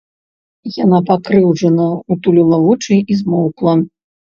Яна пакрыўджана ўтуліла вочы і змоўкла.